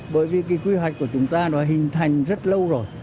bởi vì cái quy hoạch của chúng ta nó hình thành rất lâu rồi